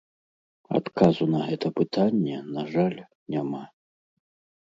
Адказу на гэта пытанне, на жаль, няма.